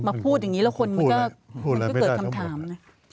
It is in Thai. พูดอย่างนี้แล้วคนมันก็เกิดคำถามนะ